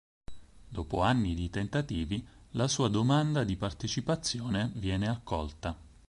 Dopo anni di tentativi, la sua domanda di partecipazione viene accolta.